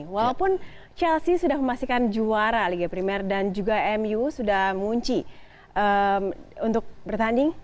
walaupun chelsea sudah memastikan juara liga primer dan juga mu sudah mengunci untuk bertanding